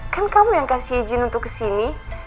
kan kamu yang kasih izin untuk kesini